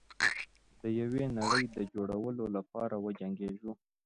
د یوې نړۍ د جوړولو لپاره وجنګیږو.